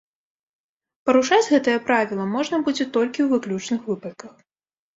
Парушаць гэтае правіла можна будзе толькі ў выключных выпадках.